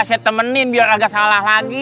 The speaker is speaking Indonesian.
saya temenin biar agak salah lagi